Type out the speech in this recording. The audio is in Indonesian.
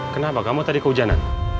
kenapa kamu tadi keujanan